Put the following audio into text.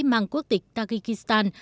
mang quốc tịch tajikistan